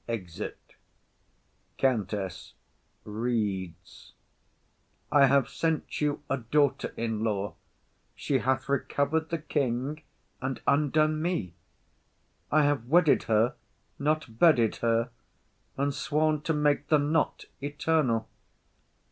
[Exit.] COUNTESS. [Reads.] _I have sent you a daughter in law; she hath recovered the king and undone me. I have wedded her, not bedded her, and sworn to make the "not" eternal.